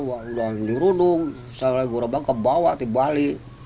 walaupun di rudung saya lagi berubah ke bawah di bali